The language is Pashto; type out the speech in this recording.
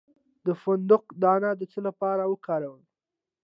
د فندق دانه د څه لپاره وکاروم؟